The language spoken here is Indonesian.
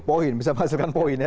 poin bisa menghasilkan poin